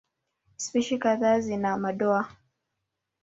Spishi kadhaa zina madoa.